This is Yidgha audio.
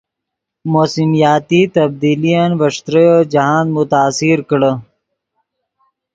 موسمیاتی تبدیلین ڤے ݯتریو جاہند متاثر کڑے